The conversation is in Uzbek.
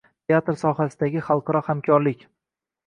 Teatr sohasidagi xalqaro hamkorlik